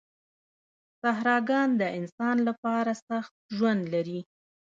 صحراګان د انسان لپاره سخت ژوند لري.